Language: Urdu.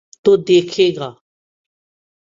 تو دیکھیے گا۔